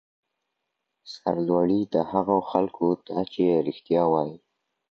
سرلوړي د هغو خلکو ده چي رښتیا وایی.